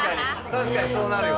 確かにそうなるよね。